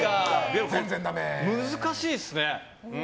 難しいっすね。